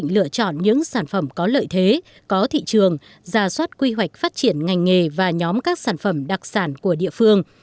lựa chọn những sản phẩm có lợi thế có thị trường giả soát quy hoạch phát triển ngành nghề và nhóm các sản phẩm đặc sản của địa phương